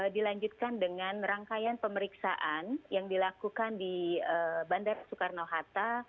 dilanjutkan dengan rangkaian pemeriksaan yang dilakukan di bandara soekarno hatta